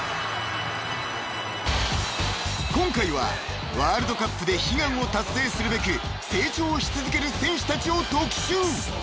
［今回はワールドカップで悲願を達成するべく成長し続ける選手たちを特集］